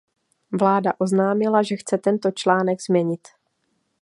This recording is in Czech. Vláda oznámila, že chce tento článek změnit.